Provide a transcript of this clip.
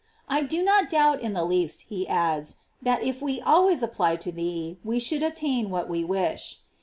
I do not doubt in the least, he adds, that if we always applied to thee we should obtain what we wish.